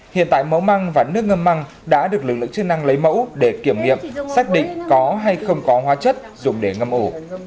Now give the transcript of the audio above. hiện tại máu măng và nước ngâm măng đã được lực lượng chức năng lấy mẫu để kiểm nghiệm xác định có hay không có hóa chất dùng để ngâm ổ